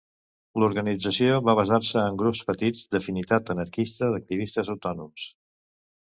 L'organització va basar-se en grups petits d'afinitat anarquista d'activistes autònoms.